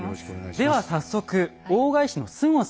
では早速大返しのすごさ